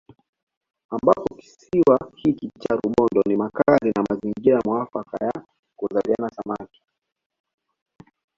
Ambapo kisiwa hiki cha Rubondo ni makazi na mazingira muafaka ya kuzaliana Samaki